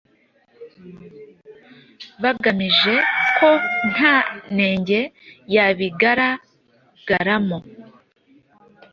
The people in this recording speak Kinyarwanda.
bagamije ko nta nenge yabigaragaramo